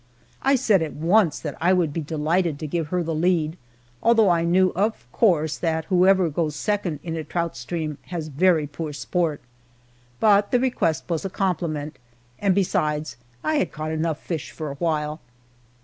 I said at once that I would be delighted to give her the lead, although I knew, of course, that whoever goes second in a trout stream has very poor sport. But the request was a compliment, and besides, I had caught enough fish for a while.